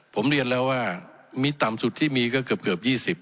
ผมเรียนแล้วว่ามีต่ำสุดที่มีก็เกือบเกือบยี่สิบ